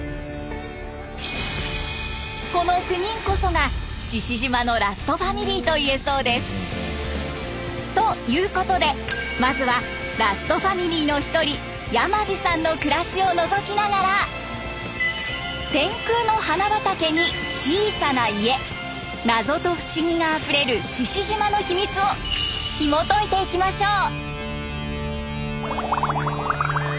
この９人こそが志々島のラストファミリーといえそうです。ということでまずはラストファミリーの一人山地さんの暮らしをのぞきながら天空の花畑に小さな家謎と不思議があふれる志々島の秘密をひもといていきましょう！